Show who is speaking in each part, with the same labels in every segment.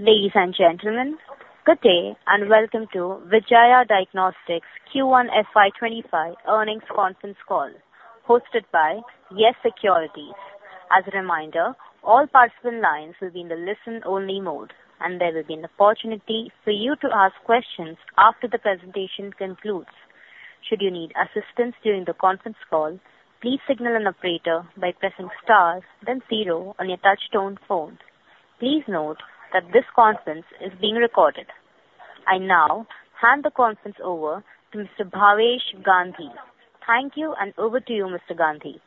Speaker 1: Ladies and gentlemen, good day and welcome to Vijaya Diagnostic's Q1FY25 earnings conference call, hosted by Yes Securities. As a reminder, all participant lines will be in the listen-only mode, and there will be an opportunity for you to ask questions after the presentation concludes. Should you need assistance during the conference call, please signal an operator by pressing stars, then zero on your touch-tone phone. Please note that this conference is being recorded. I now hand the conference over to Mr. Bhavesh Gandhi. Thank you, and over to you, Mr. Gandhi.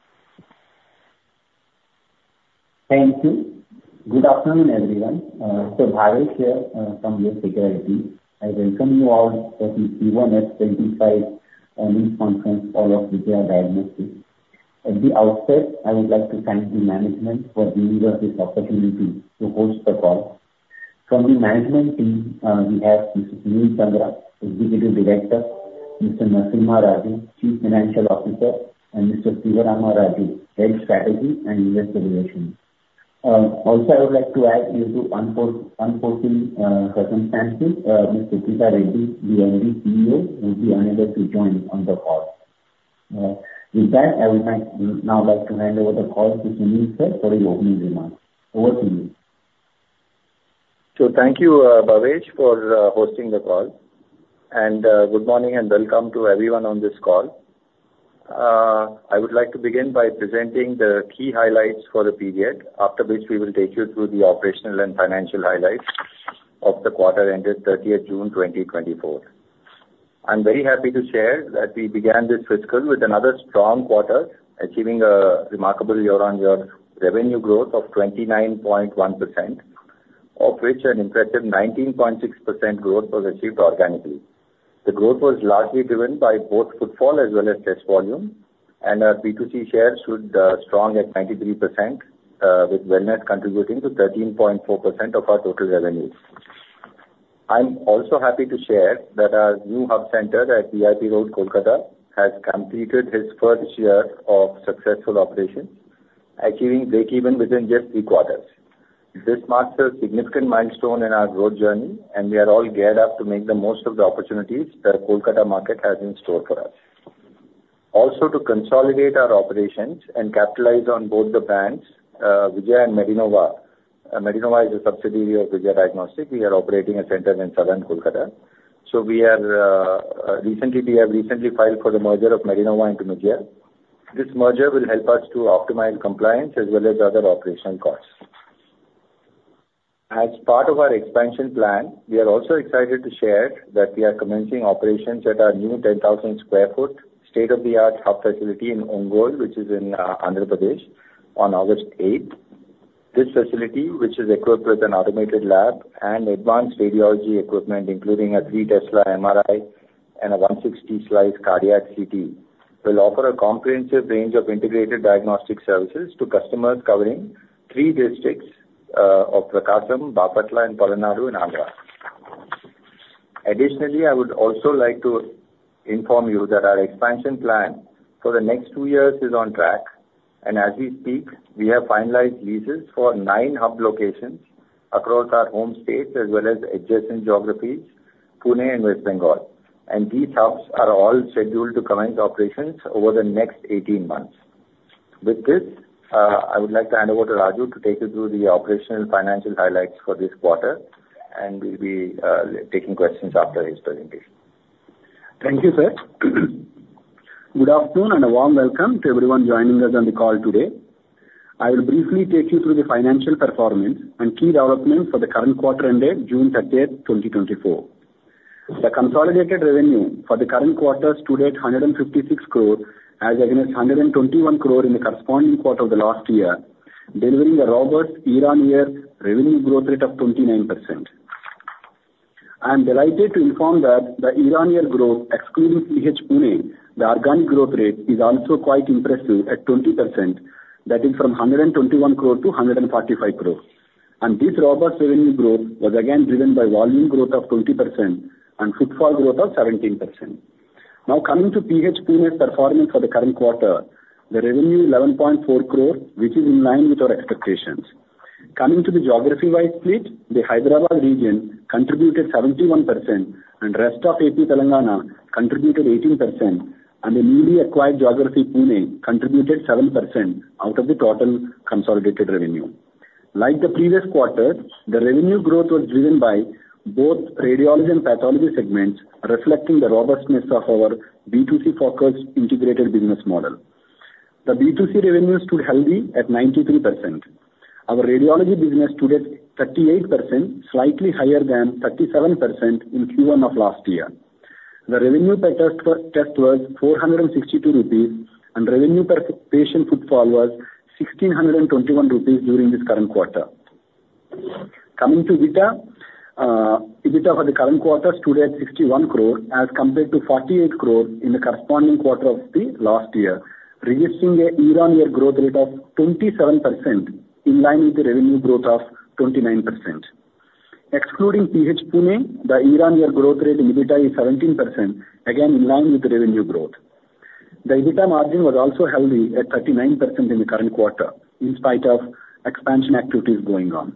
Speaker 2: Thank you. Good afternoon, everyone. Mr. Bhavesh here from YES SECURITIES. I welcome you all to the Q1FY25 earnings conference call of Vijaya Diagnostics. At the outset, I would like to thank the management for giving us this opportunity to host the call. From the management team, we have Mr. Sunil Chandra, Executive Director, Mr. Narasimha Raju, Chief Financial Officer, and Mr. Siva Rama Raju, Head of Strategy and Investor Relations. Also, I would like to add, due to unfortunate circumstances, Ms. Suprita Reddy, the MD/CEO, will be unable to join on the call. With that, I would now like to hand over the call to Sunil sir for the opening remarks. Over to you.
Speaker 3: Thank you, Bhavesh, for hosting the call. Good morning and welcome to everyone on this call. I would like to begin by presenting the key highlights for the period, after which we will take you through the operational and financial highlights of the quarter ended 30th June 2024. I'm very happy to share that we began this fiscal with another strong quarter, achieving a remarkable year-on-year revenue growth of 29.1%, of which an impressive 19.6% growth was achieved organically. The growth was largely driven by both footfall as well as test volume, and our B2C shares stood strong at 93%, with wellness contributing to 13.4% of our total revenue. I'm also happy to share that our new hub center at VIP Road, Kolkata, has completed its first year of successful operations, achieving break-even within just three quarters. This marks a significant milestone in our growth journey, and we are all geared up to make the most of the opportunities the Kolkata market has in store for us. Also, to consolidate our operations and capitalize on both the brands, Vijaya and Medinova (Medinova is a subsidiary of Vijaya Diagnostics). We are operating a center in southern Kolkata. So we have recently filed for the merger of Medinova into Vijaya. This merger will help us to optimize compliance as well as other operational costs. As part of our expansion plan, we are also excited to share that we are commencing operations at our new 10,000 sq ft state-of-the-art hub facility in Ongole, which is in Andhra Pradesh, on August 8th. This facility, which is equipped with an automated lab and advanced radiology equipment, including a 3-Tesla MRI and a 160-slice cardiac CT, will offer a comprehensive range of integrated diagnostic services to customers covering three districts of Prakasam, Bapatla, and Palnadu in Andhra. Additionally, I would also like to inform you that our expansion plan for the next two years is on track. As we speak, we have finalized leases for nine hub locations across our home states as well as adjacent geographies, Pune and West Bengal. These hubs are all scheduled to commence operations over the next 18 months. With this, I would like to hand over to Raju to take you through the operational and financial highlights for this quarter, and we'll be taking questions after his presentation.
Speaker 4: Thank you, sir. Good afternoon and a warm welcome to everyone joining us on the call today. I will briefly take you through the financial performance and key developments for the current quarter ended June 30th, 2024. The consolidated revenue for the current quarter stood at 156 crore, as against 121 crore in the corresponding quarter of the last year, delivering a robust year-on-year revenue growth rate of 29%. I'm delighted to inform that the year-on-year growth, excluding PH Pune, the organic growth rate is also quite impressive at 20%, that is, from 121 crore to 145 crore. This robust revenue growth was again driven by volume growth of 20% and footfall growth of 17%. Now, coming to PH Pune's performance for the current quarter, the revenue is 11.4 crore, which is in line with our expectations. Coming to the geography-wide split, the Hyderabad region contributed 71%, and the rest of AP Telangana contributed 18%, and the newly acquired geography Pune contributed 7% out of the total consolidated revenue. Like the previous quarter, the revenue growth was driven by both radiology and pathology segments, reflecting the robustness of our B2C-focused integrated business model. The B2C revenue stood healthy at 93%. Our radiology business stood at 38%, slightly higher than 37% in Q1 of last year. The revenue per test was ₹462, and revenue per patient footfall was ₹1,621 during this current quarter. Coming to Vijaya, EBITDA for the current quarter stood at 61 crore, as compared to 48 crore in the corresponding quarter of the last year, registering a year-on-year growth rate of 27%, in line with the revenue growth of 29%. Excluding PH Pune, the year-on-year growth rate in EBITDA is 17%, again in line with the revenue growth. The EBITDA margin was also healthy at 39% in the current quarter, in spite of expansion activities going on.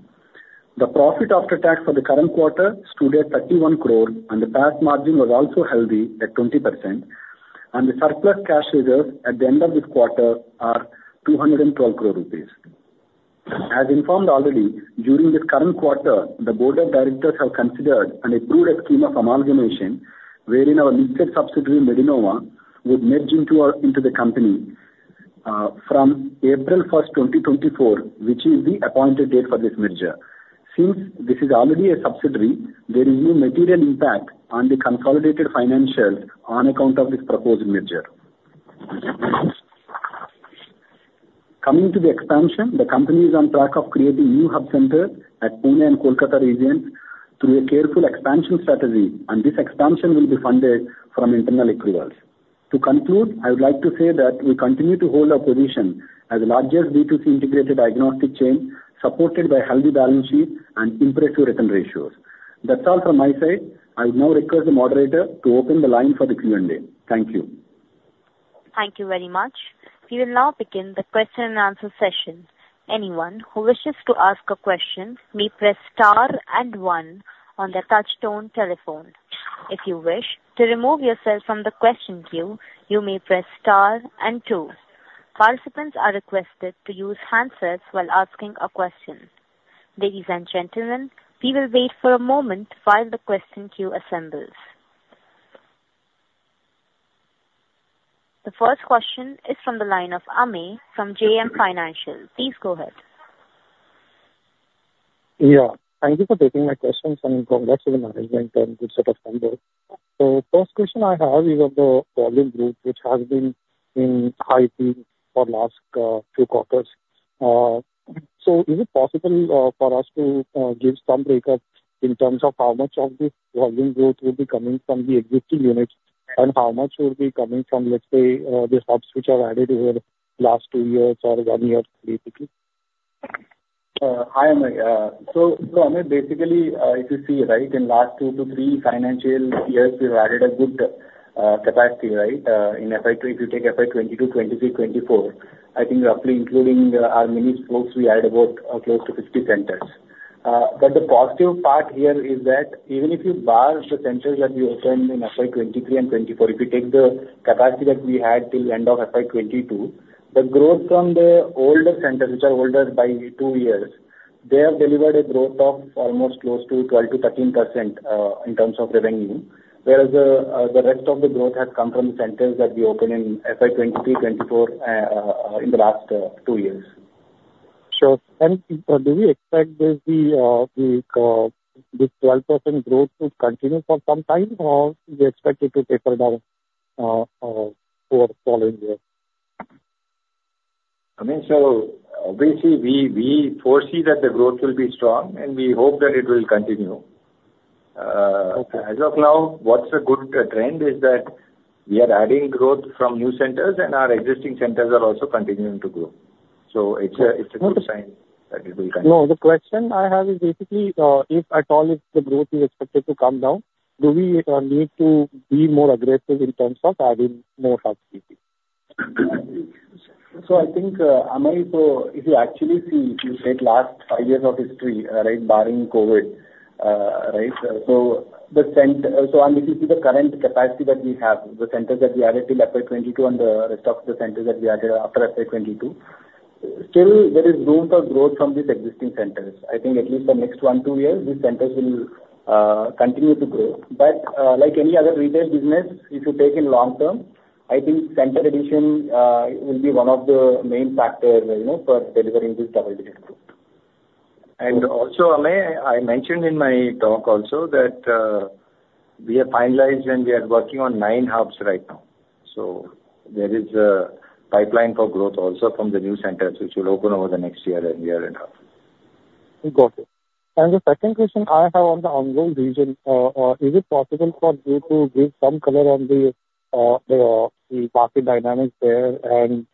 Speaker 4: The profit after tax for the current quarter stood at 31 crore, and the PAT margin was also healthy at 20%. The surplus cash reserves at the end of this quarter are 212 crore rupees. As informed already, during this current quarter, the Board of Directors have considered and approved a scheme of amalgamation, wherein our listed subsidiary Medinova would merge into the company from April 1st, 2024, which is the appointed date for this merger. Since this is already a subsidiary, there is no material impact on the consolidated financials on account of this proposed merger. Coming to the expansion, the company is on track of creating new hub centers at Pune and Kolkata regions through a careful expansion strategy, and this expansion will be funded from internal accruals. To conclude, I would like to say that we continue to hold our position as the largest B2C integrated diagnostic chain, supported by a healthy balance sheet and impressive return ratios. That's all from my side. I would now request the moderator to open the line for the Q&A. Thank you.
Speaker 1: Thank you very much. We will now begin the question-and-answer session. Anyone who wishes to ask a question may press star and one on their touch-tone telephone. If you wish to remove yourself from the question queue, you may press star and two. Participants are requested to use handsets while asking a question. Ladies and gentlemen, we will wait for a moment while the question queue assembles. The first question is from the line of Amey from JM Financial. Please go ahead.
Speaker 5: Yeah. Thank you for taking my questions, and congrats to the management and good set of numbers. The first question I have is on the volume growth, which has been in high peak for the last few quarters. Is it possible for us to give some breakup in terms of how much of this volume growth will be coming from the existing units and how much will be coming from, let's say, the hubs which are added over the last two years or one year, basically?
Speaker 4: Hi, Amey. So Amey, basically, if you see, right, in the last 2-3 financial years, we've added a good capacity, right? In FY22, if you take FY2022, 2023, 2024, I think roughly including our mini spokes, we added about close to 50 centers. But the positive part here is that even if you bar the centers that we opened in FY2023 and 2024, if you take the capacity that we had till the end of FY2022, the growth from the older centers, which are older by 2 years, they have delivered a growth of almost close to 12%-13% in terms of revenue, whereas the rest of the growth has come from the centers that we opened in FY2023, 2024 in the last 2 years.
Speaker 5: Sure. Do we expect this 12% growth to continue for some time, or do we expect it to taper down over the following year?
Speaker 4: I mean, so obviously, we foresee that the growth will be strong, and we hope that it will continue. As of now, what's a good trend is that we are adding growth from new centers, and our existing centers are also continuing to grow. So it's a good sign that it will continue.
Speaker 5: No, the question I have is basically, if at all the growth is expected to come down, do we need to be more aggressive in terms of adding more hubs?
Speaker 4: So I think, Amey, so if you actually see, if you take the last five years of history, right, barring COVID, right, so the centers, so if you see the current capacity that we have, the centers that we added till FI22 and the rest of the centers that we added after FI22, still there is room for growth from these existing centers. I think at least for the next one or two years, these centers will continue to grow. But like any other retail business, if you take it long-term, I think center addition will be one of the main factors for delivering this double-digit growth. And also, Amey, I mentioned in my talk also that we have finalized and we are working on nine hubs right now. There is a pipeline for growth also from the new centers, which will open over the next year and a half.
Speaker 5: Got it. And the second question I have on the Ongole region, is it possible for you to give some color on the market dynamics there? And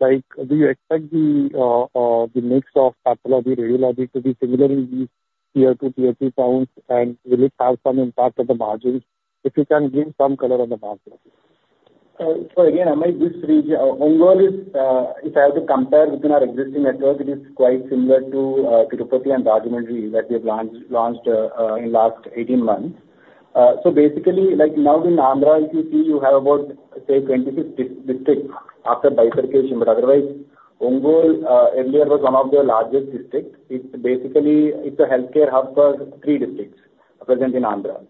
Speaker 5: do you expect the mix of pathology and radiology to be similar in these tier two, tier three towns? And will it have some impact on the margins if you can give some color on the market?
Speaker 4: So again, Amey, this region, Ongole, if I have to compare within our existing network, it is quite similar to Tirupati and Rajahmundry that we have launched in the last 18 months. So basically, now in Andhra, if you see, you have about, say, 26 districts after bifurcation. But otherwise, Ongole earlier was one of the largest districts. It's basically a healthcare hub for three districts present in Andhra.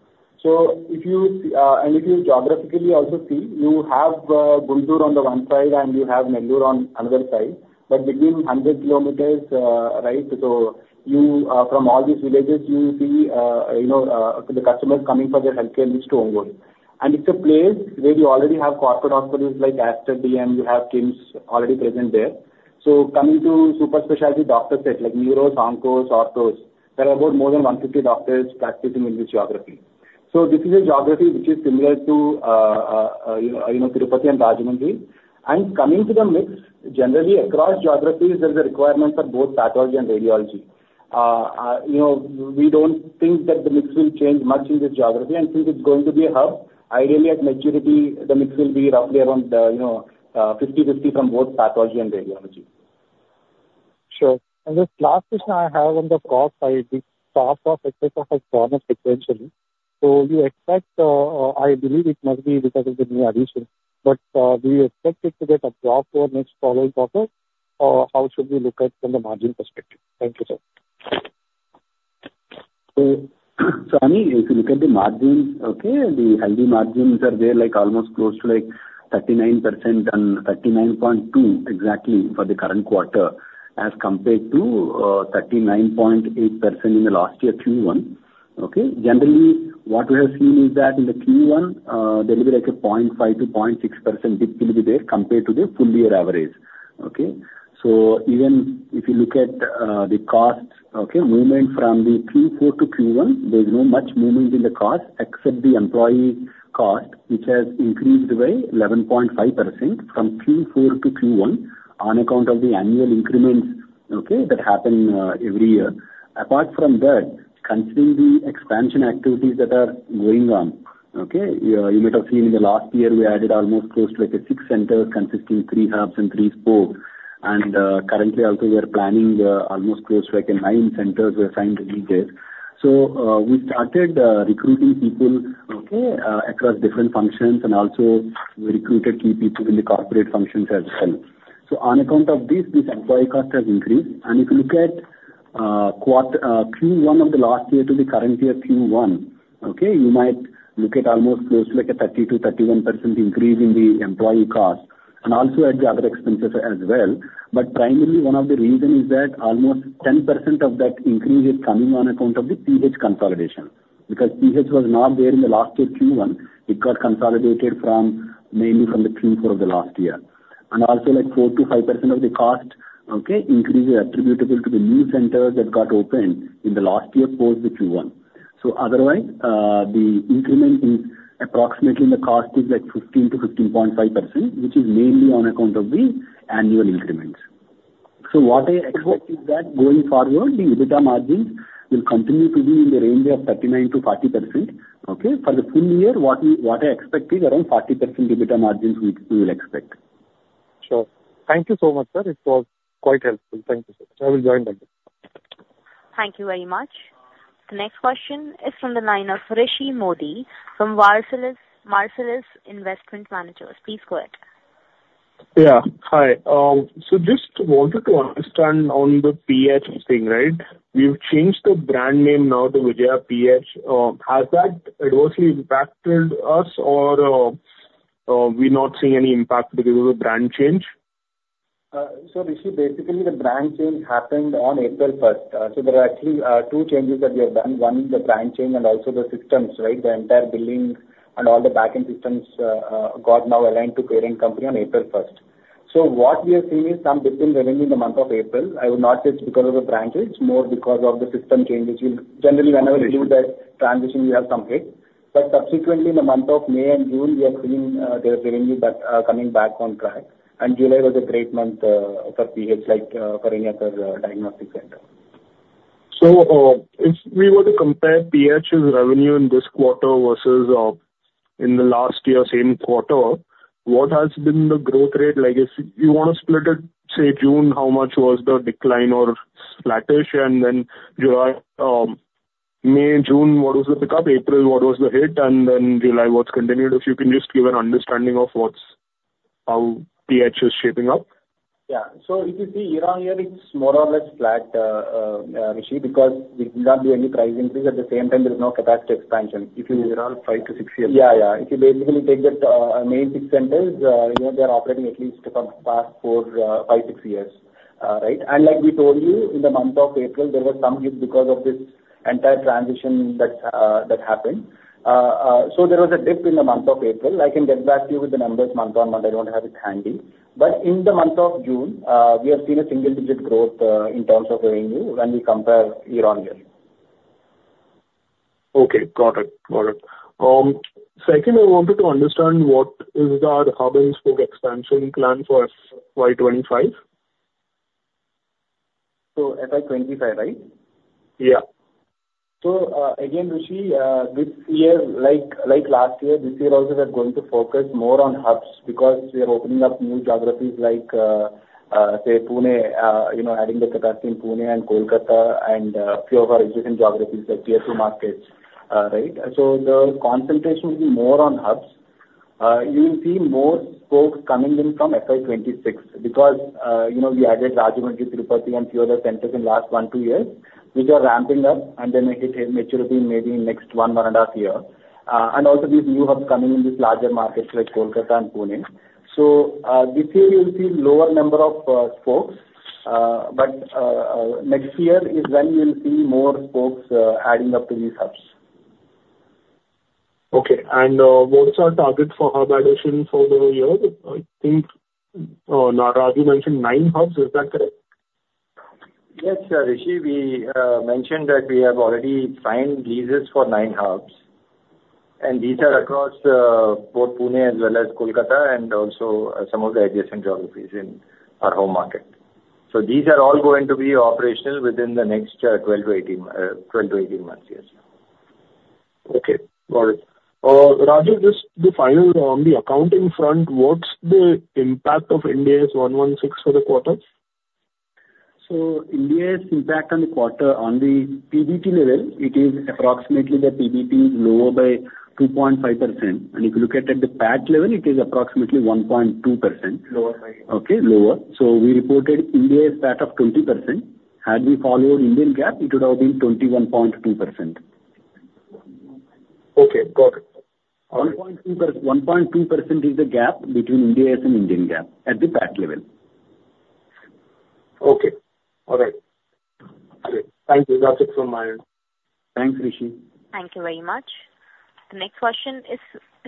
Speaker 4: And if you geographically also see, you have Guntur on the one side and you have Nellore on the other side. But between 100 kilometers, right, so from all these villages, you see the customers coming for their healthcare needs to Ongole. And it's a place where you already have corporate hospitals like Aster DM, you have KIMS already present there. Coming to super specialty doctor sets like neuro, onco, orthos, there are about more than 150 doctors practicing in this geography. This is a geography which is similar to Tirupati and Rajahmundry. Coming to the mix, generally across geographies, there's a requirement for both pathology and radiology. We don't think that the mix will change much in this geography. Since it's going to be a hub, ideally at maturity, the mix will be roughly around 50-50 from both pathology and radiology.
Speaker 5: Sure. This last question I have on the cost side, this cost of excess of health products exponentially. So you expect, I believe it must be because of the new addition, but do you expect it to get absorbed over the next following quarter? How should we look at it from the margin perspective? Thank you, sir.
Speaker 4: So Amey, if you look at the margins, okay, the healthy margins are there almost close to 39% and 39.2% exactly for the current quarter as compared to 39.8% in the last year Q1. Okay? Generally, what we have seen is that in the Q1, there will be like a 0.5%-0.6% dip will be there compared to the full-year average. Okay? So even if you look at the cost movement from the Q4 to Q1, there's no much movement in the cost except the employee cost, which has increased by 11.5% from Q4 to Q1 on account of the annual increments, okay, that happen every year. Apart from that, considering the expansion activities that are going on, okay, you might have seen in the last year, we added almost close to like 6 centers consisting of 3 hubs and 3 spokes. Currently, also, we are planning almost close to like 9 centers where signed lease is. So we started recruiting people, okay, across different functions, and also we recruited key people in the corporate functions as well. So on account of this, this employee cost has increased. And if you look at Q1 of the last year to the current year Q1, okay, you might look at almost close to like a 30%-31% increase in the employee cost and also at the other expenses as well. But primarily, one of the reasons is that almost 10% of that increase is coming on account of the PH consolidation. Because PH was not there in the last year Q1, it got consolidated mainly from the Q4 of the last year. And also like 4%-5% of the cost, okay, increase is attributable to the new centers that got opened in the last year post the Q1. So otherwise, the increment is approximately in the cost is like 15%-15.5%, which is mainly on account of the annual increments. So what I expect is that going forward, the EBITDA margins will continue to be in the range of 39%-40%. Okay? For the full year, what I expect is around 40% EBITDA margins we will expect.
Speaker 5: Sure. Thank you so much, sir. It was quite helpful. Thank you, sir. I will join that.
Speaker 1: Thank you very much. The next question is from the line of Rishi Mody from Marcellus Investment Managers. Please go ahead.
Speaker 6: Yeah. Hi. Just wanted to understand on the PH thing, right? We've changed the brand name now to Vijaya PH. Has that adversely impacted us, or are we not seeing any impact because of the brand change?
Speaker 4: So Rishi, basically, the brand change happened on April 1st. So there are actually two changes that we have done. One is the brand change and also the systems, right? The entire billing and all the backend systems got now aligned to parent company on April 1st. So what we have seen is some dip in revenue in the month of April. I would not say it's because of the brand change. It's more because of the system changes. Generally, whenever we do that transition, we have some hits. But subsequently, in the month of May and June, we have seen the revenues coming back on track. And July was a great month for PH, like for any other diagnostic center.
Speaker 6: So if we were to compare PH's revenue in this quarter versus in the last year's same quarter, what has been the growth rate? Like if you want to split it, say June, how much was the decline or flatish? And then May, June, what was the pickup? April, what was the hit? And then July, what's continued? If you can just give an understanding of how PH is shaping up.
Speaker 4: Yeah. So if you see year-on-year, it's more or less flat, Rishi, because we did not do any price increase. At the same time, there is no capacity expansion. If you look at all 5-6 years. Yeah, yeah. If you basically take the main 6 centers, they are operating at least for the past 5-6 years, right? And like we told you, in the month of April, there was some dip because of this entire transition that happened. So there was a dip in the month of April. I can get back to you with the numbers month-on-month. I don't have it handy. But in the month of June, we have seen a single-digit growth in terms of revenue when we compare year-on-year.
Speaker 6: Okay. Got it. Got it. Second, I wanted to understand what is the hub and spoke expansion plan for FY25?
Speaker 4: FY25, right?
Speaker 6: Yeah.
Speaker 4: So again, Rishi, this year, like last year, this year also, we are going to focus more on hubs because we are opening up new geographies like, say, Pune, adding the capacity in Pune and Kolkata and a few of our existing geographies like tier two markets, right? So the concentration will be more on hubs. You will see more spokes coming in from FY26 because we added Rajahmundry, Tirupati, and a few other centers in the last one or two years, which are ramping up, and then it will mature maybe in the next one, one and a half years. And also these new hubs coming in these larger markets like Kolkata and Pune. So this year, you'll see a lower number of spokes. But next year is when you'll see more spokes adding up to these hubs.
Speaker 6: Okay. What's our target for hub addition for the year? I think Narasimha Raju, you mentioned 9 hubs. Is that correct?
Speaker 4: Yes, Rishi. We mentioned that we have already signed leases for nine hubs. These are across both Pune as well as Kolkata and also some of the adjacent geographies in our home market. These are all going to be operational within the next 12-18 months, yes.
Speaker 6: Okay. Got it. Raju, just the final on the accounting front, what's the impact of Ind AS 116 for the quarter?
Speaker 4: AS 116 impact on the quarter, on the PBT level, it is approximately the PBT is lower by 2.5%. And if you look at the PAT level, it is approximately 1.2%.
Speaker 6: Lower, right?
Speaker 4: Okay, lower. So we reported Ind AS PAT of 20%. Had we followed Indian GAAP, it would have been 21.2%.
Speaker 6: Okay. Got it.
Speaker 4: 1.2% is the gap between Ind AS 116 and Indian GAAP at the PAT level.
Speaker 6: Okay. All right. Thank you. That's it from my end.
Speaker 4: Thanks, Rishi.
Speaker 1: Thank you very much. The next question is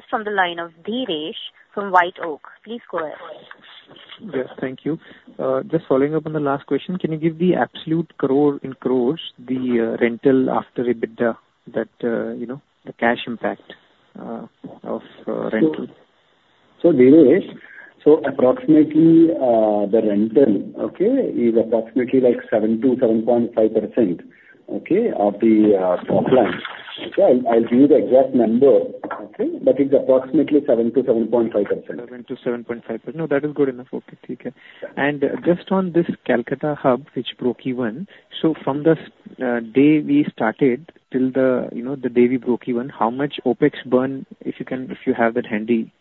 Speaker 1: from the line of Dheeresh from White Oak. Please go ahead.
Speaker 7: Yes, thank you. Just following up on the last question, can you give the absolute crore in crores, the rental after EBITDA, the cash impact of rental?
Speaker 4: So Dheeresh? So approximately the rental, okay, is approximately like 7%-7.5%, okay, of the soft line. I'll give you the exact number, okay, but it's approximately 7%-7.5%.
Speaker 7: 7%-7.5%. No, that is good enough. Okay. Take care. And just on this Kolkata hub, which broke even, so from the day we started till the day we broke even, how much OpEx burn? If you have that handy,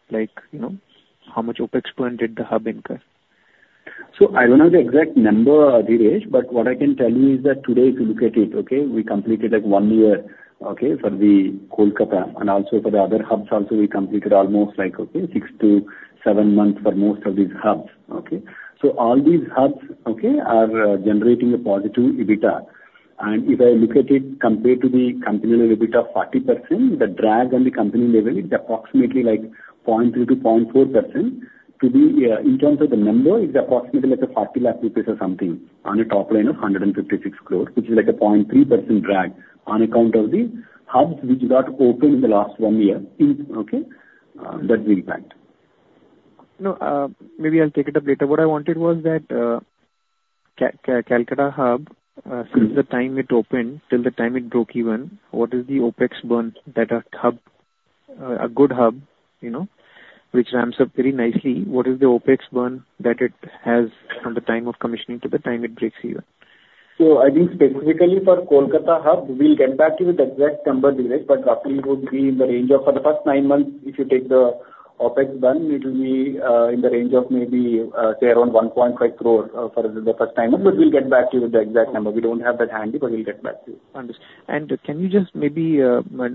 Speaker 7: how much OpEx burn did the hub incur?
Speaker 4: So I don't have the exact number, Dheeresh, but what I can tell you is that today, if you look at it, okay, we completed like one year, okay, for the Kolkata and also for the other hubs. Also, we completed almost like six to seven months for most of these hubs. Okay? So all these hubs are generating a positive EBITDA. And if I look at it compared to the company level EBITDA of 40%, the drag on the company level is approximately like 0.3%-0.4%. In terms of the number, it's approximately like 40 lakh rupees or something on a top line of 156 crores, which is like a 0.3% drag on account of the hubs which got opened in the last one year. Okay? That's the impact.
Speaker 7: No, maybe I'll take it up later. What I wanted was that Kolkata hub, since the time it opened, till the time it broke even, what is the OpEx burn that a good hub, which ramps up very nicely, what is the OpEx burn that it has from the time of commissioning to the time it breaks even?
Speaker 4: So I think specifically for Kolkata hub, we'll get back to you with the exact number, Dheeresh, but roughly it would be in the range of for the first nine months, if you take the OpEx burn, it will be in the range of maybe, say, around 1.5 crore for the first nine months. But we'll get back to you with the exact number. We don't have that handy, but we'll get back to you.
Speaker 7: Understood. Can you just maybe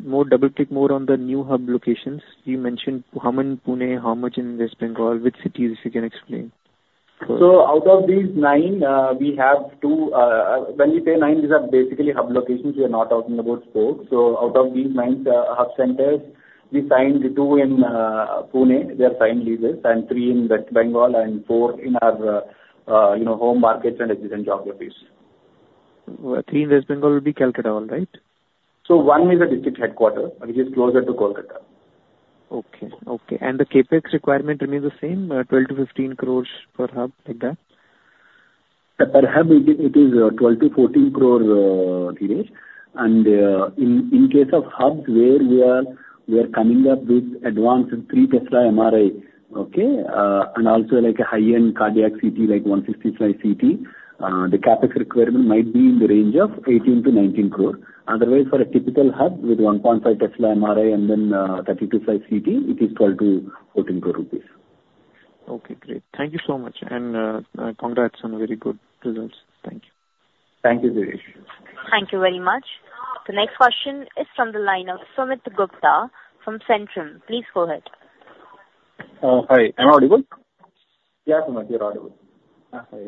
Speaker 7: more double-click more on the new hub locations? You mentioned Prakasam, Pune, how much in West Bengal? Which cities, if you can explain?
Speaker 4: Out of these 9, we have 2 when we say 9, these are basically hub locations. We are not talking about spokes. Out of these 9 hub centers, we signed 2 in Pune. They are signed leases. 3 in West Bengal and 4 in our home markets and existing geographies.
Speaker 7: Three in West Bengal would be Kolkata, all right?
Speaker 4: One is a district headquarters, which is closer to Kolkata.
Speaker 7: Okay. Okay. The CAPEX requirement remains the same, 12-15 crores per hub like that?
Speaker 4: Per hub, it is 12-14 crore, Dheeresh. In case of hubs where we are coming up with advanced 3-Tesla MRI, okay, and also like a high-end cardiac CT like 150-slice CT, the CAPEX requirement might be in the range of 18-19 crore. Otherwise, for a typical hub with 1.5-Tesla MRI and then 32-slice CT, it is 12-14 crore rupees.
Speaker 7: Okay. Great. Thank you so much. Congrats on very good results. Thank you.
Speaker 4: Thank you, Dheeresh.
Speaker 1: Thank you very much. The next question is from the line of Sumit Gupta from Centrum. Please go ahead.
Speaker 8: Hi. Am I audible?
Speaker 4: Yeah, Sumit, you're audible.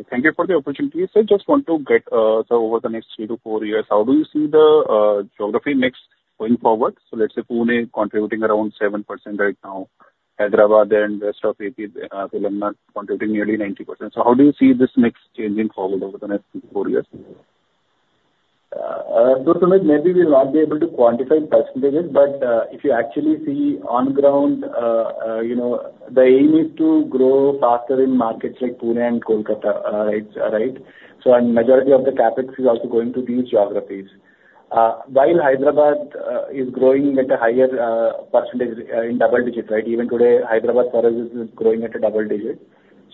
Speaker 8: Thank you for the opportunity. So I just want to get, so over the next 3-4 years, how do you see the geography mix going forward? So let's say Pune contributing around 7% right now, Hyderabad and rest of AP, Telangana contributing nearly 90%. So how do you see this mix changing forward over the next 3-4 years?
Speaker 4: So Sumit, maybe we'll not be able to quantify percentages, but if you actually see on ground, the aim is to grow faster in markets like Pune and Kolkata, right? So the majority of the CapEx is also going to these geographies. While Hyderabad is growing at a higher percentage in double digits, right? Even today, Hyderabad for us is growing at a double digit.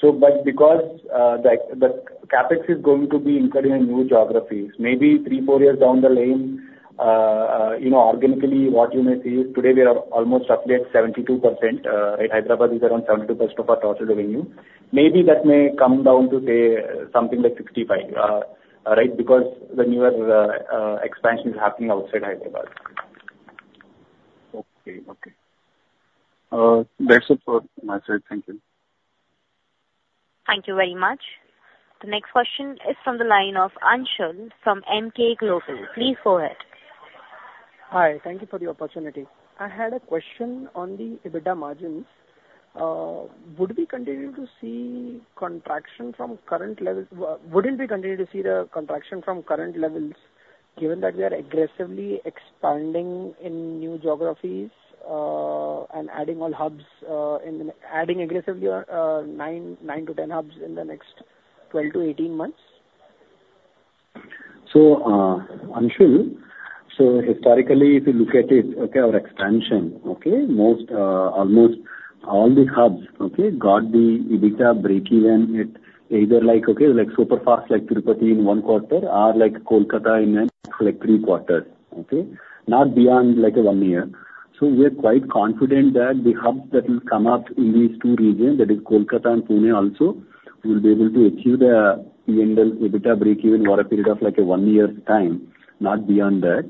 Speaker 4: But because the CapEx is going to be incurred in new geographies, maybe three, four years down the lane, organically, what you may see is today we are almost roughly at 72%. Hyderabad is around 72% of our total revenue. Maybe that may come down to, say, something like 65%, right? Because the newer expansion is happening outside Hyderabad.
Speaker 8: Okay. Okay. That's it for my side. Thank you.
Speaker 1: Thank you very much. The next question is from the line of Anshul from Emkay Global. Please go ahead.
Speaker 9: Hi. Thank you for the opportunity. I had a question on the EBITDA margins. Would we continue to see contraction from current levels? Wouldn't we continue to see the contraction from current levels given that we are aggressively expanding in new geographies and adding all hubs, adding aggressively 9-10 hubs in the next 12-18 months?
Speaker 4: So Anshul, so historically, if you look at it, okay, our expansion, okay, almost all these hubs, okay, got the EBITDA breakeven at either like super fast like Tirupati in 1 quarter or like Kolkata in the next 3 quarters, okay, not beyond like 1 year. So we are quite confident that the hubs that will come up in these two regions, that is Kolkata and Pune also, will be able to achieve the EBITDA breakeven over a period of like a 1 year's time, not beyond that.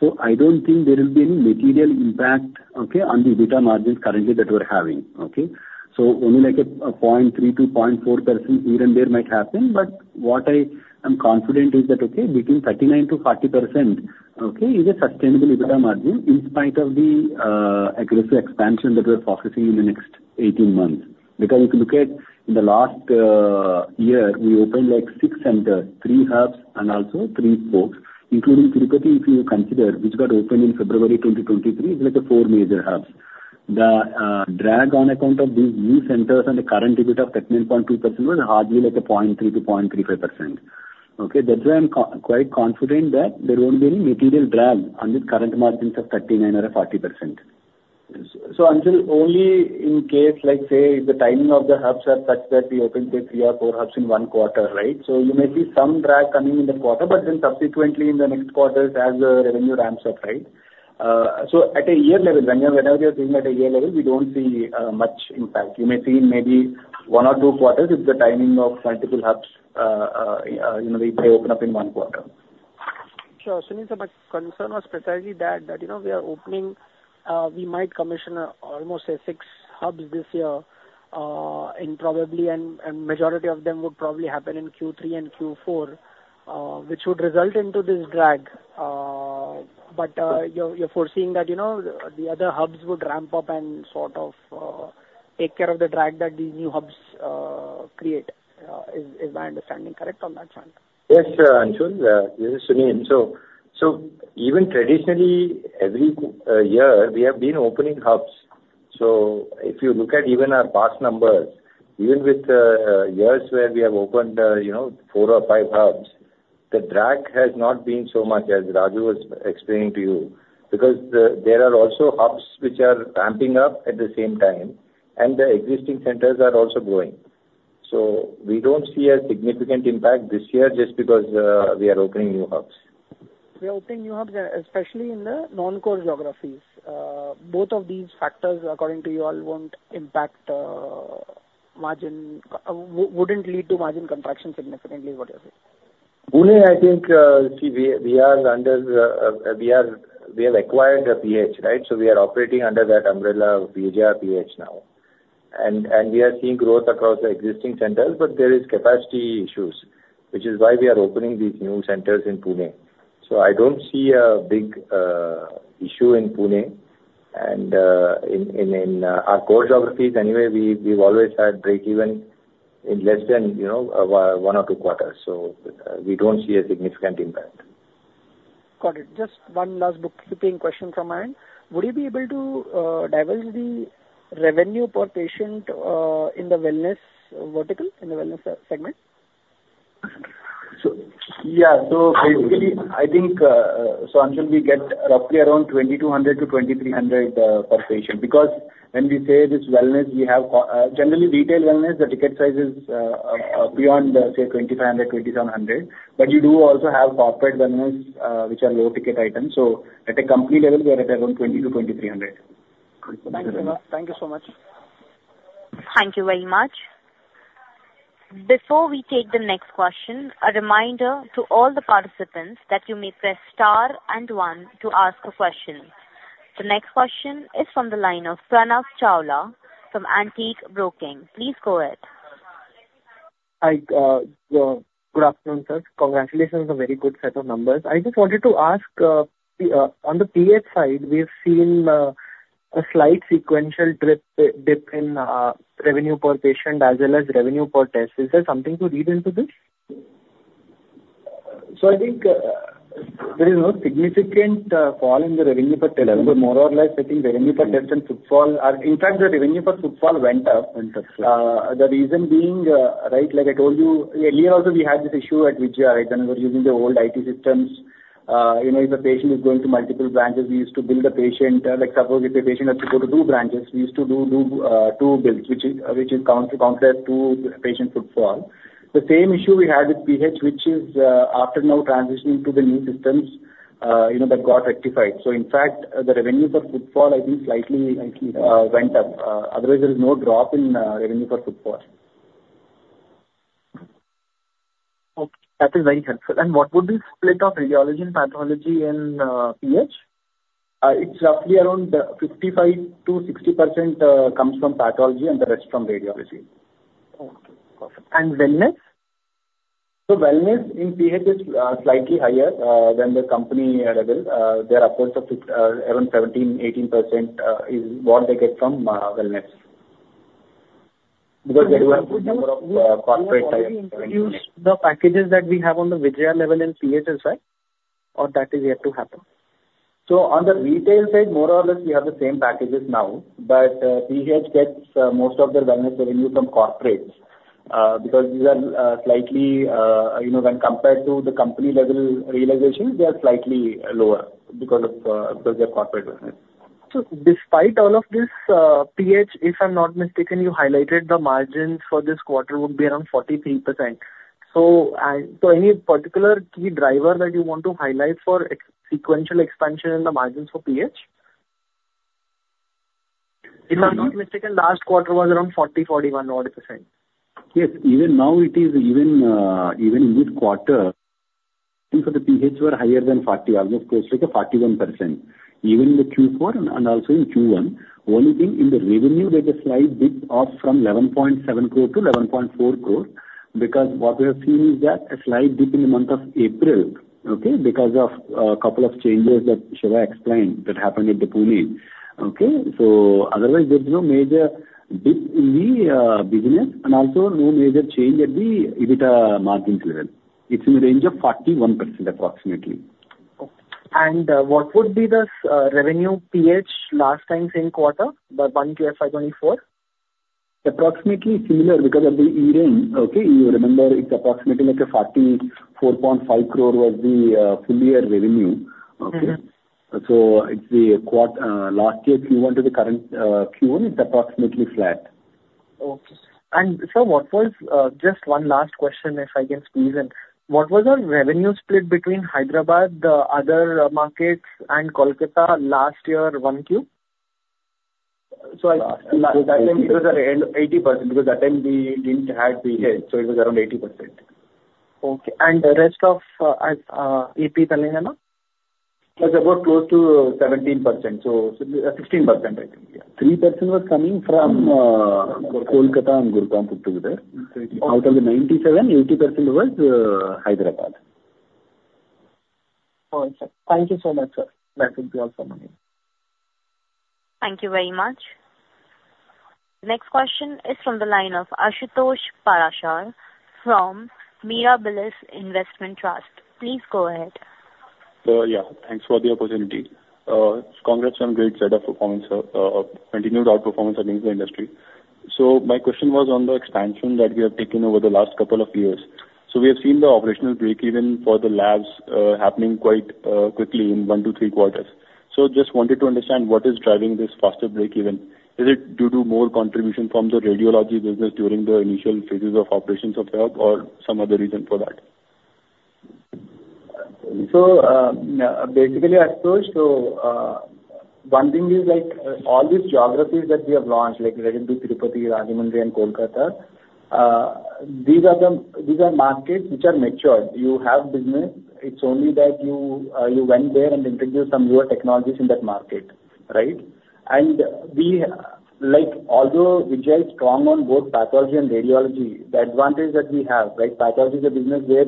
Speaker 4: So I don't think there will be any material impact, okay, on the EBITDA margins currently that we're having. Okay? So only like a 0.3%-0.4% here and there might happen. But what I am confident is that, okay, between 39%-40%, okay, is a sustainable EBITDA margin in spite of the aggressive expansion that we're focusing on in the next 18 months. Because if you look at in the last year, we opened like 6 centers, 3 hubs, and also 3 spokes, including Tirupati, if you consider, which got opened in February 2023, it's like 4 major hubs. The drag on account of these new centers and the current EBITDA of 39.2% was hardly like a 0.3%-0.35%. Okay? That's why I'm quite confident that there won't be any material drag on these current margins of 39% or 40%. So Anshul, only in case like, say, the timing of the hubs are such that we opened 3 or 4 hubs in one quarter, right? So you may see some drag coming in the quarter, but then subsequently in the next quarter as the revenue ramps up, right? So at a year level, whenever you're seeing at a year level, we don't see much impact. You may see maybe one or two quarters if the timing of multiple hubs they open up in one quarter.
Speaker 9: Sure. So my concern was precisely that we might commission almost, say, 6 hubs this year, and majority of them would probably happen in Q3 and Q4, which would result into this drag. But you're foreseeing that the other hubs would ramp up and sort of take care of the drag that these new hubs create. Is my understanding correct on that front?
Speaker 4: Yes, Anshul. This is Sumit. So even traditionally, every year, we have been opening hubs. So if you look at even our past numbers, even with years where we have opened 4 or 5 hubs, the drag has not been so much as Raju was explaining to you. Because there are also hubs which are ramping up at the same time, and the existing centers are also growing. So we don't see a significant impact this year just because we are opening new hubs.
Speaker 9: We are opening new hubs, especially in the non-core geographies. Both of these factors, according to you, won't impact margin, wouldn't lead to margin contraction significantly, what you're saying?
Speaker 4: Pune, I think, see, we are under we have acquired a PH, right? So we are operating under that umbrella of Vijaya PH now. And we are seeing growth across the existing centers, but there are capacity issues, which is why we are opening these new centers in Pune. So I don't see a big issue in Pune. And in our core geographies, anyway, we've always had breakeven in less than one or two quarters. So we don't see a significant impact.
Speaker 9: Got it. Just one last bookkeeping question from my end. Would you be able to divulge the revenue per patient in the wellness vertical, in the wellness segment?
Speaker 4: So yeah. So basically, I think, so Anshul, we get roughly around 2,200-2,300 per patient. Because when we say this wellness, we have generally retail wellness, the ticket size is beyond, say, 2,500-2,700. But you do also have corporate wellness, which are low-ticket items. So at a company level, we are at around 2,000-2,300.
Speaker 9: Thank you so much.
Speaker 1: Thank you very much. Before we take the next question, a reminder to all the participants that you may press star and one to ask a question. The next question is from the line of Pranav Chawla from Antique Broking. Please go ahead.
Speaker 10: Hi. Good afternoon, sir. Congratulations on a very good set of numbers. I just wanted to ask, on the PH side, we've seen a slight sequential dip in revenue per patient as well as revenue per test. Is there something to read into this?
Speaker 4: So I think there is no significant fall in the revenue per test. But more or less, I think revenue per test and bill are in fact, the revenue for bill went up. The reason being, right, like I told you, earlier also we had this issue at Vijaya, right? When we were using the old IT systems, if a patient is going to multiple branches, we used to bill a patient. Like suppose if a patient has to go to two branches, we used to do two bills, which is counterpart to patient bill. The same issue we had with PH, which is after now transitioning to the new systems that got rectified. So in fact, the revenue for bill, I think, slightly went up. Otherwise, there is no drop in revenue for bill.
Speaker 10: Okay. That is very helpful. What would be the split of radiology and pathology in PH?
Speaker 4: It's roughly around 55%-60% comes from pathology and the rest from radiology.
Speaker 10: Okay. Perfect. And wellness?
Speaker 4: Wellness in PH is slightly higher than the company level. They're upwards of around 17%, 18% is what they get from wellness. Because they do have a number of corporate types.
Speaker 10: So are we going to reduce the packages that we have on the Vijaya level and PH as well? Or that is yet to happen?
Speaker 4: On the retail side, more or less, we have the same packages now. PH gets most of their wellness revenue from corporates. Because these are slightly when compared to the company-level realizations, they are slightly lower because of their corporate wellness.
Speaker 10: So despite all of this, PH, if I'm not mistaken, you highlighted the margins for this quarter would be around 43%. Any particular key driver that you want to highlight for sequential expansion in the margins for PH? If I'm not mistaken, last quarter was around 40%-41%.
Speaker 4: Yes. Even now, it is even mid-quarter, I think for the PH were higher than 40%, almost close to 41%. Even in the Q4 and also in Q1, only thing in the revenue, there's a slight dip off from 11.7 crore to 11.4 crore. Because what we have seen is that a slight dip in the month of April, okay, because of a couple of changes that Siva explained that happened at the Pune. Okay? So otherwise, there's no major dip in the business and also no major change at the EBITDA margins level. It's in the range of 41% approximately.
Speaker 10: Okay. What would be the revenue PH last time same quarter, the 1Q FY24?
Speaker 4: Approximately similar because at the year-end, okay, you remember it's approximately like 44.5 crore was the full-year revenue. Okay? So it's the last year Q1 to the current Q1, it's approximately flat.
Speaker 10: Okay. Sir, what was just one last question, if I can squeeze in? What was our revenue split between Hyderabad, the other markets, and Kolkata last year 1Q?
Speaker 4: So that time, it was 80% because that time we didn't add PH. So it was around 80%.
Speaker 10: Okay. And the rest of AP, Telangana?
Speaker 4: It was about close to 17%. So 16%, I think. 3% was coming from Kolkata and Kalaburagi together. Out of the 97, 80% was Hyderabad.
Speaker 10: Perfect. Thank you so much, sir.
Speaker 4: Thank you to you all for coming.
Speaker 1: Thank you very much. Next question is from the line of Ashutosh Parashar from Mirabilis Investment Trust. Please go ahead.
Speaker 11: Yeah, thanks for the opportunity. Congrats on great set of performance, continued outperformance against the industry. My question was on the expansion that we have taken over the last couple of years. We have seen the operational breakeven for the labs happening quite quickly in 1-3 quarters. Just wanted to understand what is driving this faster breakeven. Is it due to more contribution from the radiology business during the initial phases of operations of the hub or some other reason for that?
Speaker 4: So basically, Ashutosh, so one thing is like all these geographies that we have launched, like Tirupati, Rajahmundry, and Kolkata, these are markets which are matured. You have business. It's only that you went there and introduced some newer technologies in that market, right? And although Vijay is strong on both pathology and radiology, the advantage that we have, right, pathology is a business where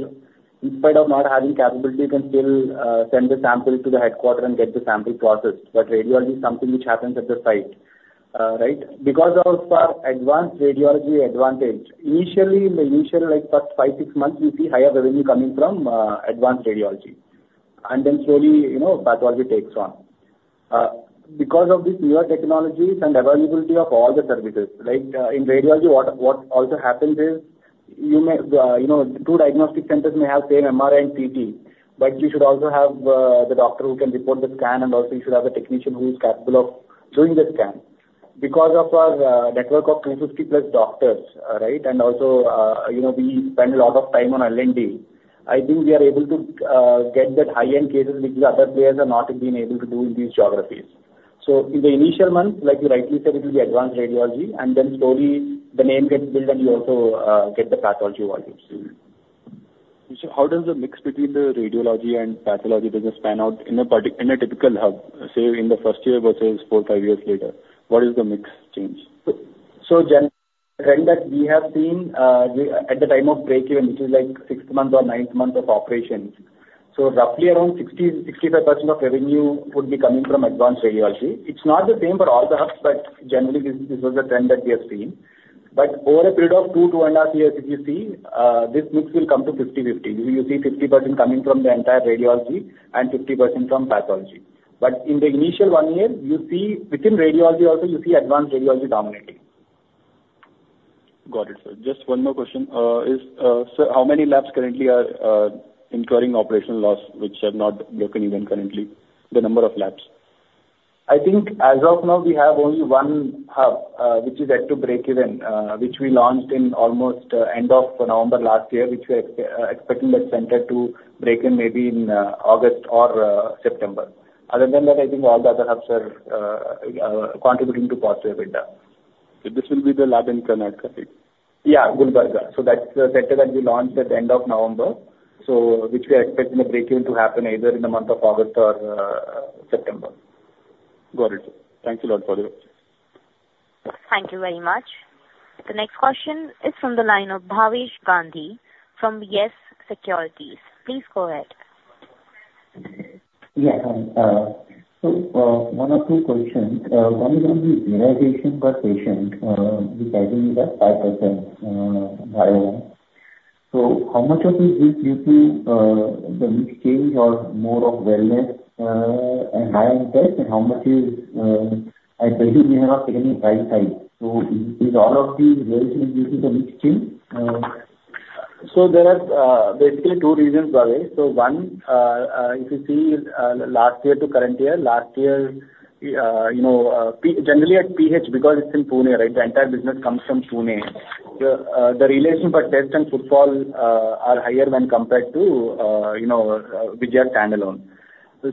Speaker 4: instead of not having capability, you can still send the sample to the headquarters and get the sample processed. But radiology is something which happens at the site, right? Because of our advanced radiology advantage, initially, in the initial like five, six months, you see higher revenue coming from advanced radiology. And then slowly, pathology takes on. Because of these newer technologies and availability of all the services, like in radiology, what also happens is two diagnostic centers may have same MRI and CT. But you should also have the doctor who can report the scan, and also you should have a technician who is capable of doing the scan. Because of our network of 250+ doctors, right, and also we spend a lot of time on L&D, I think we are able to get that high-end cases which the other players are not being able to do in these geographies. So in the initial month, like you rightly said, it will be advanced radiology, and then slowly the name gets built and you also get the pathology volumes.
Speaker 11: How does the mix between the radiology and pathology business pan out in a typical hub, say, in the first year versus 4, 5 years later? What is the mix change?
Speaker 4: So the trend that we have seen at the time of breakeven, which is like sixth month or ninth month of operations, so roughly around 60%-65% of revenue would be coming from advanced radiology. It's not the same for all the hubs, but generally, this was the trend that we have seen. But over a period of two, two and a half years, if you see, this mix will come to 50/50. You see 50% coming from the entire radiology and 50% from pathology. But in the initial one year, you see within radiology also, you see advanced radiology dominating.
Speaker 11: Got it, sir. Just one more question. Sir, how many labs currently are incurring operational loss which are not broken even currently? The number of labs.
Speaker 4: I think as of now, we have only one hub, which is at breakeven, which we launched in almost end of November last year, which we are expecting that center to break even in maybe in August or September. Other than that, I think all the other hubs are contributing to positive EBITDA.
Speaker 11: This will be the lab in Karnataka, right?
Speaker 4: Yeah, Kalaburagi. So that's the center that we launched at the end of November, which we are expecting the breakeven to happen either in the month of August or September.
Speaker 11: Got it. Thank you a lot for the questions.
Speaker 1: Thank you very much. The next question is from the line of Bhavesh Gandhi from YES SECURITIES. Please go ahead.
Speaker 2: Yeah. So one or two questions. One is on the realization per patient, which I think is at 5% YoY. So how much of this is due to the mix change or more of wellness and higher-end? And how much is, I believe, we have not taken any price hike. So is all of this well linked to the mix change?
Speaker 4: So there are basically two reasons, Bhavesh. So one, if you see last year to current year, last year, generally at PH, because it's in Pune, right, the entire business comes from Pune, the realization for tests and footfall are higher when compared to Vijaya standalone.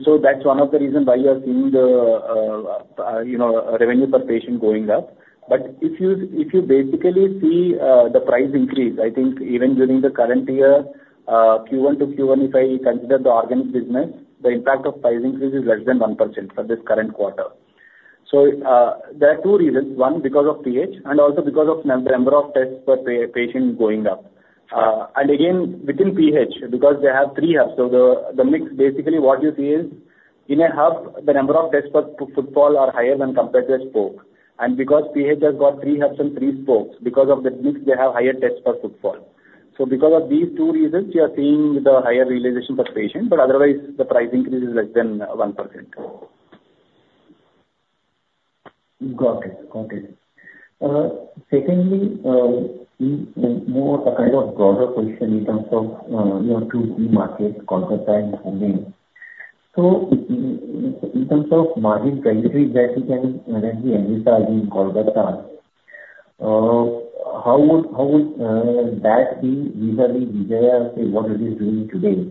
Speaker 4: So that's one of the reasons why you are seeing the revenue per patient going up. But if you basically see the price increase, I think even during the current year, Q1 to Q1, if I consider the organic business, the impact of price increase is less than 1% for this current quarter. So there are two reasons. One, because of PH, and also because of the number of tests per patient going up. And again, within PH, because they have 3 hubs. So the mix, basically what you see is in a hub, the number of tests per footfall are higher when compared to a spoke. Because PH has got 3 hubs and 3 spokes, because of the mix, they have higher tests per footfall. So because of these two reasons, you are seeing the higher realization per patient. But otherwise, the price increase is less than 1%.
Speaker 2: Got it. Got it. Secondly, more of a kind of broader question in terms of your 2G market, Kolkata and Pune. So in terms of margin trajectory that we can see in Kolkata, how would that be vis-à-vis Vijaya, say, what it is doing today?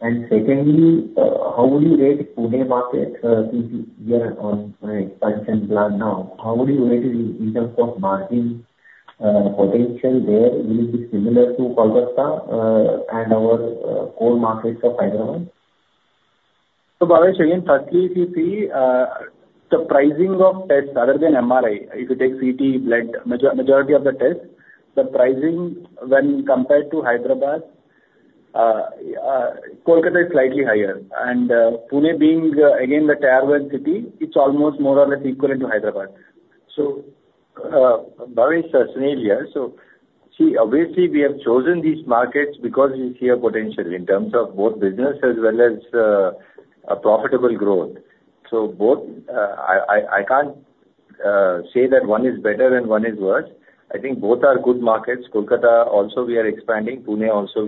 Speaker 2: And secondly, how would you rate Pune market since we are on an expansion plan now? How would you rate it in terms of margin potential there? Will it be similar to Kolkata and our core markets of Hyderabad?
Speaker 4: Bhavesh, again, firstly, if you see the pricing of tests other than MRI, if you take CT, blood, majority of the tests, the pricing when compared to Hyderabad, Kolkata is slightly higher. Pune being, again, the tier one city, it's almost more or less equal to Hyderabad. So Bhavesh, personally, yeah, so see, obviously, we have chosen these markets because we see a potential in terms of both business as well as profitable growth. So I can't say that one is better and one is worse. I think both are good markets. Kolkata also, we are expanding. Pune also,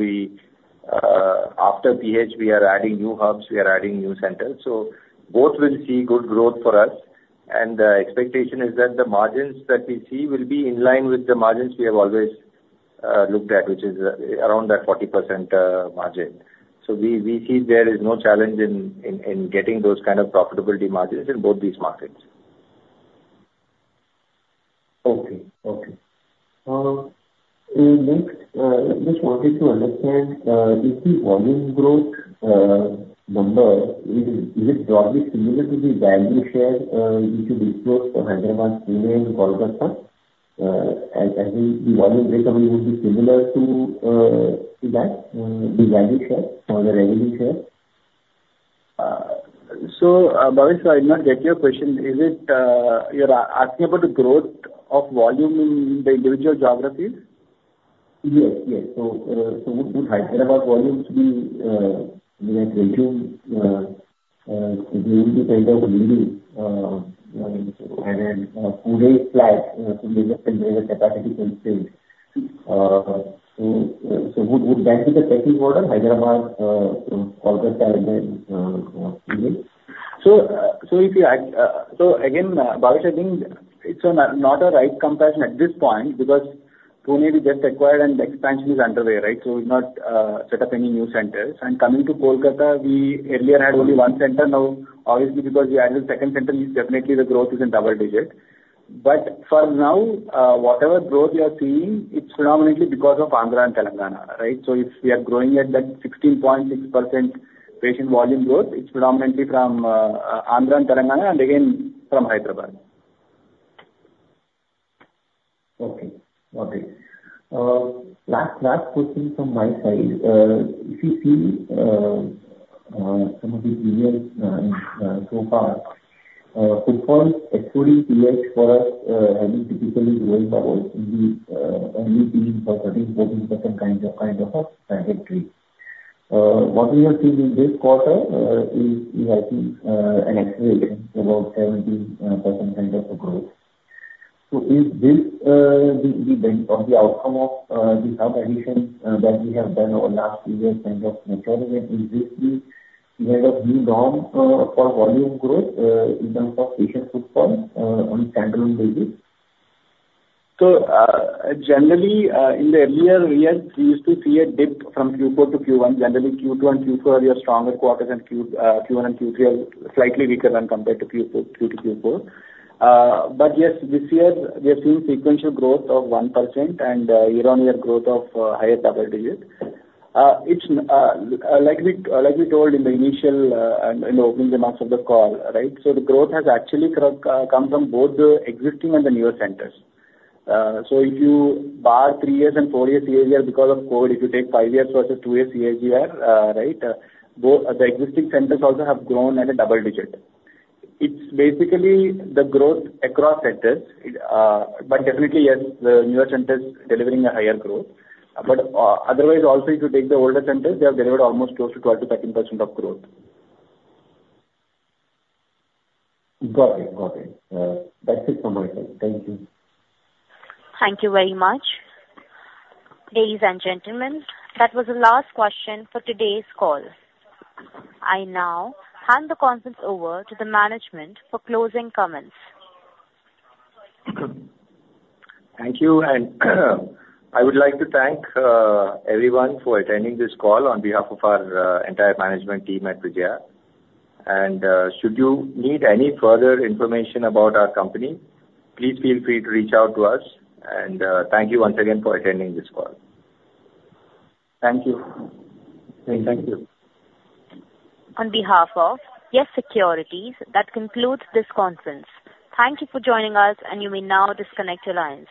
Speaker 4: after PH, we are adding new hubs. We are adding new centers. So both will see good growth for us. And the expectation is that the margins that we see will be in line with the margins we have always looked at, which is around that 40% margin. So we see there is no challenge in getting those kind of profitability margins in both these markets.
Speaker 2: Okay. Okay. Next, just wanted to understand, if the volume growth number, is it broadly similar to the value share which you disclosed for Hyderabad, Pune, and Kolkata? And the volume breakeven would be similar to that, the value share or the revenue share?
Speaker 4: Bhavesh, so I did not get your question. You're asking about the growth of volume in the individual geographies?
Speaker 2: Yes. Yes. So would Hyderabad volume be like region, region kind of leading? And then Pune is flat, so there's a capacity constraint. So would that be the pecking order, Hyderabad, Kolkata, and then Pune?
Speaker 4: So again, Bhavesh, I think it's not a right comparison at this point because Pune we just acquired and the expansion is underway, right? So we've not set up any new centers. And coming to Kolkata, we earlier had only one center. Now, obviously, because we added a second center, definitely the growth is in double digit. But for now, whatever growth we are seeing, it's predominantly because of Andhra and Telangana, right? So if we are growing at that 16.6% patient volume growth, it's predominantly from Andhra and Telangana and again from Hyderabad.
Speaker 2: Okay. Okay. Last question from my side. If you see some of the years so far, footfall, excluding PH, for us, having typically growing by only 13%, 14% kind of a trajectory. What we have seen in this quarter is, I think, an acceleration to about 17% kind of a growth. So is this the outcome of the hub additions that we have done over the last few years kind of maturing? And is this the kind of new norm for volume growth in terms of patient footfall on a standalone basis?
Speaker 4: So generally, in the earlier years, we used to see a dip from Q4 to Q1. Generally, Q2 and Q4 are your stronger quarters, and Q1 and Q3 are slightly weaker when compared to Q2 to Q4. But yes, this year, we have seen sequential growth of 1% and year-on-year growth of higher double digit. Like we told in the initial and opening remarks of the call, right? So the growth has actually come from both the existing and the newer centers. So if you barring three years and four years CAGR because of COVID, if you take five years versus two years CAGR, right, the existing centers also have grown at a double digit. It's basically the growth across centers. But definitely, yes, the newer centers are delivering a higher growth. Otherwise, also, if you take the older centers, they have delivered almost close to 12%-13% of growth.
Speaker 2: Got it. Got it. That's it from my side. Thank you.
Speaker 1: Thank you very much, ladies and gentlemen. That was the last question for today's call. I now hand the conference over to the management for closing comments.
Speaker 4: Thank you. I would like to thank everyone for attending this call on behalf of our entire management team at Vijaya. Should you need any further information about our company, please feel free to reach out to us. Thank you once again for attending this call. Thank you.
Speaker 1: Thank you. On behalf of YES SECURITIES, that concludes this conference. Thank you for joining us, and you may now disconnect your lines.